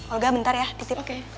olga bentar ya titip